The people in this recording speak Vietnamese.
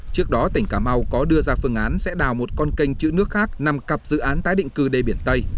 trước đó tỉnh cà mau có đưa ra phương án sẽ đào một con kênh chữ nước khác nằm cặp dự án tái định cư đê biển tây